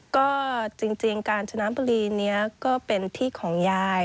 ก็จริงกาญจนบุรีนี้ก็เป็นที่ของยาย